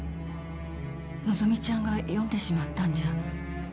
希ちゃんが読んでしまったんじゃ